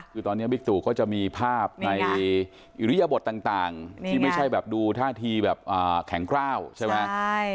คือตอนนี้บิ๊กตู่ก็จะมีภาพในอิริยบทต่างที่ไม่ใช่แบบดูท่าทีแบบแข็งกล้าวใช่ไหม